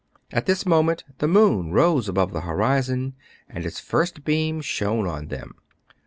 At this moment the moon rose above the horizon, and its first beam shone on them.